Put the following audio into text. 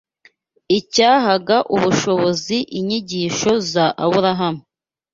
Icyahaga ubushobozi inyigisho za Aburahamu